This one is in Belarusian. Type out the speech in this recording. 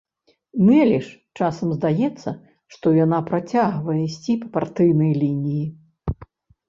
Нэлі ж часам здаецца, што яна працягвае ісці па партыйнай лініі.